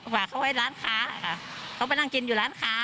ฝากเขาไว้ร้านค้าค่ะเขาไปนั่งกินอยู่ร้านค้า